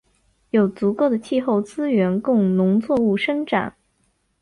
有足够的气候资源供农作物生长。